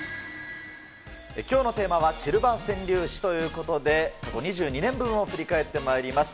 きょうのテーマはシルバー川柳史ということで、過去２２年分を振り返ってまいります。